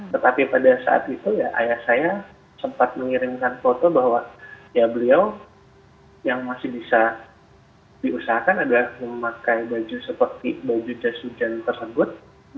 tetapi pada saat itu ya ayah saya sempat mengirimkan foto bahwa ya beliau yang masih bisa diusahakan adalah memakai baju seperti baju jas hujan tersebut